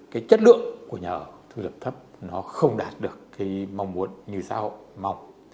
cái chất lượng của nhà thu nhập thấp nó không đạt được thì mong muốn như sau mong